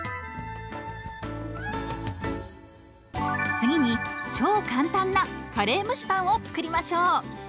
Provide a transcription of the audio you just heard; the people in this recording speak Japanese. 次に超簡単なカレー蒸しパンを作りましょう。